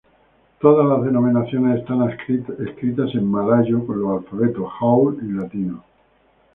Todas las denominaciones están escritas en malayo, con los alfabetos jawi y latino.